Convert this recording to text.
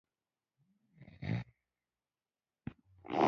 يو تاريخي کلے اباد دی